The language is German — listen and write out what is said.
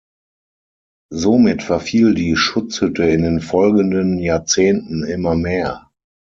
Somit verfiel die Schutzhütte in den folgenden Jahrzehnten immer mehr.